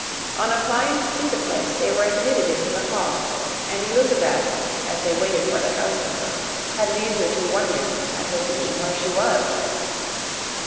On applying to see the place, they were admitted into the hall; and Elizabeth, as they waited for the housekeeper, had leisure to wonder at her being where she was.